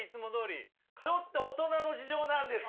ちょっと大人の事情なんですよ。